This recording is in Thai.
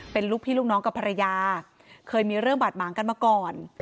เป็นลูกพี่ลูกน้องกับภรรยาเคยมีเรื่องบาดหมางกันมาก่อน